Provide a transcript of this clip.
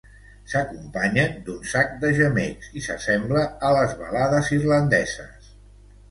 S'acompanyen d'un sac de gemecs i s'assembla a les balades irlandeses.